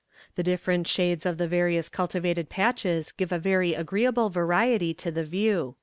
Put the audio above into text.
The different shades of the various cultivated patches give a very agreeable variety to the view."